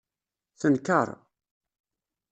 Tenker.